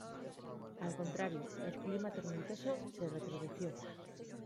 Al contrario: el clima tormentoso se recrudeció.